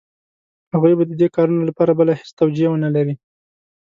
هغوی به د دې کارونو لپاره بله هېڅ توجیه ونه لري.